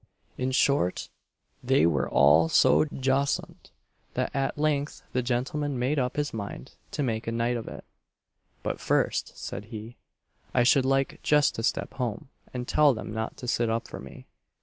In short, they were all so jocund, that at length the gentleman made up his mind to make a night of it: "But first," said he, "I should like just to step home and tell them not to sit up for me."